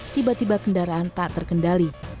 tiba tiba kendaraan tak terkendali